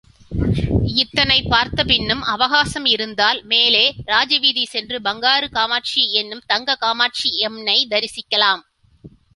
இத்தனை பார்த்த பின்னும் அவகாசம் இருந்தால் மேல ராஜவீதி சென்று பங்காரு காமாக்ஷி என்னும் தங்கக் காமாக்ஷியம்னைத் தரிசிக்கலாம்.